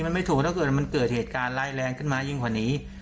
มันไม่ถูกถ้าเกิดมันเกิดเหตุการณ์ร้ายแรงขึ้นมายิ่งกว่านี้